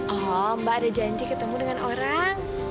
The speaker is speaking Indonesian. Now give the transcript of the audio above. oh mbak ada janji ketemu dengan orang